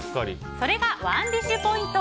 それがＯｎｅＤｉｓｈポイント。